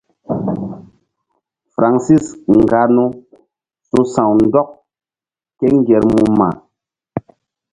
Francis nganou su̧ sa̧w ndɔk ke ŋgermu mma.